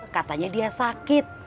katanya dia sakit